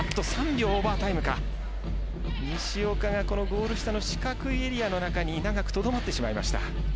西岡がゴール下の四角いエリアの中に長くとどまってしまいました。